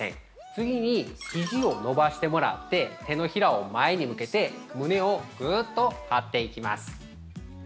次に、ひじを伸ばしてもらって手のひらを前に向けて、胸をぐっと張っていきます。